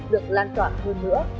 được lan toàn hơn nữa